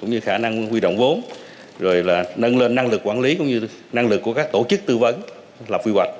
cũng như khả năng huy động vốn rồi là nâng lên năng lực quản lý cũng như năng lực của các tổ chức tư vấn lập quy hoạch